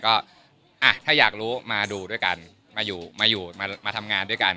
ก็อ่ะถ้าอยากรู้มาดูด้วยกันมาอยู่มาอยู่มาทำงานด้วยกัน